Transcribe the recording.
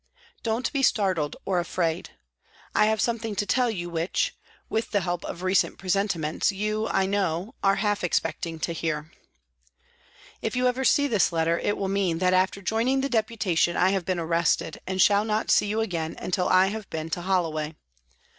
" Don't be startled or afraid. I have something to tell you which with the help of recent presenti ments you, I know, are half expecting to hear. 32 PRISONS AND PRISONERS " If you ever see this letter it will mean that after joining the deputation I have been arrested and shall not see you again until I have been to Holloway.